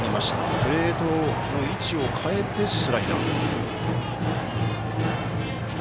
プレートの位置を変えてスライダー。